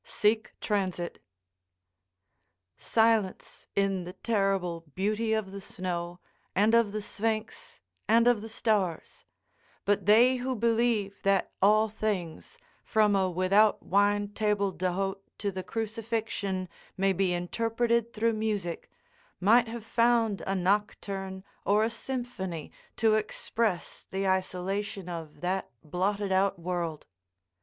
Sic transit. Silence in the terrible beauty of the snow and of the Sphinx and of the stars; but they who believe that all things, from a without wine table d'hôte to the crucifixion, may be interpreted through music, might have found a nocturne or a symphony to express the isolation of that blotted out world.